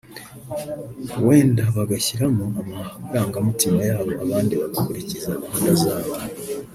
wenda bagashyiramo amarangamutima yabo abandi bagakurikiza gahunda zabo